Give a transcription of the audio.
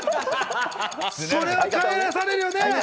それは帰らされるよね。